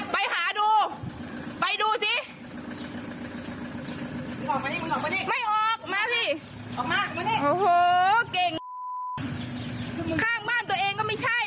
ไปดูไปดูสิไม่ออกมาสิออกมาไม่ได้โอ้โหเก่งข้างบ้านตัวเองก็ไม่ใช่